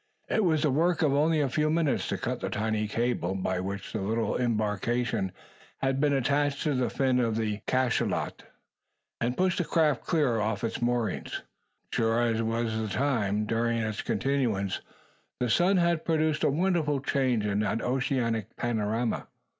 It was the work of only a few minutes to cut the tiny cable by which the little embarkation had been attached to the fin of the cachalot, and push the craft clear of its moorings. But, short as was the time, during its continuance the sun had produced a wonderful change in that oceanic panorama.